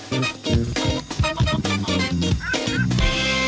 สวัสดีครับ